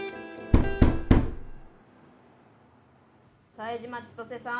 冴島千歳さん